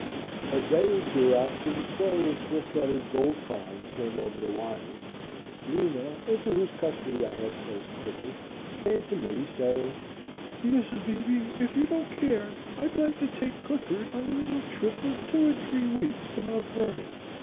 A day or two after the story of Swiftwater's gold find came over the wires, Lena, into whose custody I had placed Clifford, came to me saying: "Mrs. Beebe, if you don't care, I'd like to take Clifford on a little trip of two or three weeks to Mt. Vernon.